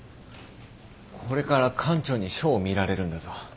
これから館長に書を見られるんだぞ。